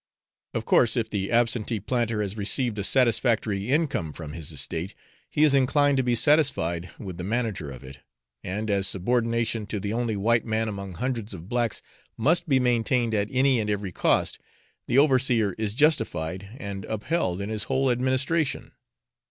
Of course, if the absentee planter has received a satisfactory income from his estate, he is inclined to be satisfied with the manager of it, and as subordination to the only white man among hundreds of blacks must be maintained at any and every cost, the overseer is justified and upheld in his whole administration.